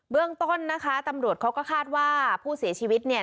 เรื่องต้นนะคะตำรวจเขาก็คาดว่าผู้เสียชีวิตเนี่ย